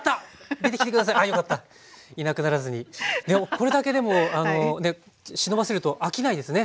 これだけでも忍ばせると飽きないですね